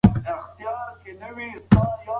پروفیسر نګ وویل، نوی رنګ له ټولو رنګونو ډېر ژور دی.